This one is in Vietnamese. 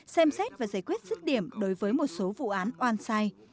xem xét và giải quyết sức điểm đối với một số vụ án oan sai